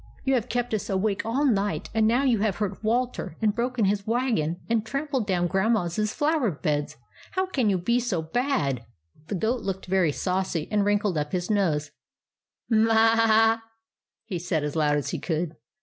You have kept us awake all night, and now you have hurt Walter, and broken his wagon, and trampled down Grandma's flower beds. How can you be so bad ?" 7 92 THE ADVENTURES OF MABEL The goat looked very saucy, and wrinkled up his nose. " M m a a a I " he said, as loud as he could.